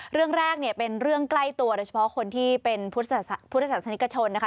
เรื่องแรกเนี่ยเป็นเรื่องใกล้ตัวโดยเฉพาะคนที่เป็นพุทธศาสนิกชนนะคะ